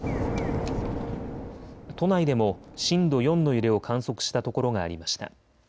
都内でも震度４の揺れを観測したところがありました。